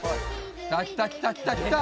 来た来た来た来た！